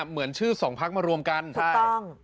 เหมือนชื่อ๒พักมารวมกันก็ต้อง